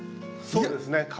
そうですね